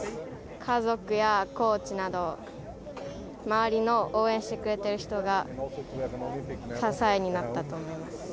家族やコーチなど、周りの応援してくれてる人が支えになったと思います。